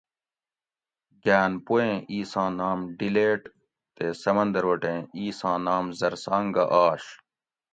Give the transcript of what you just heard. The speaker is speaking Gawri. گان پوئیں اِیساں نام ڈِلیٹ تے سمندروٹیں ایساں نام زرسانگہ آش